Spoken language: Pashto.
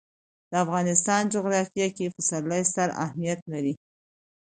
د افغانستان جغرافیه کې پسرلی ستر اهمیت لري.